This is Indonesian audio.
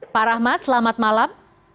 pak rahmat selamat malam